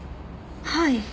はい。